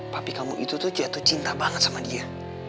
papi kamu itu tuh jatuh cinta banget sama dia